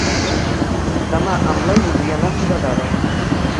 Demà en Blai voldria anar a Foradada.